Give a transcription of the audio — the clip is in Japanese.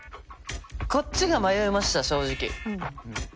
こっちが迷いました正直。